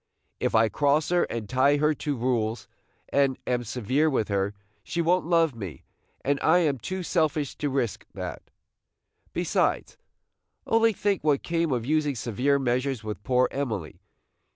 If I cross her and tie her to rules, and am severe with her, she won't love me, and I am too selfish to risk that. Besides, only think what came of using severe measures with poor Emily!